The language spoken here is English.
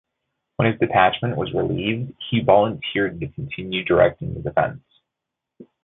When his detachment was relieved, he volunteered to continue directing the defence.